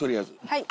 はい。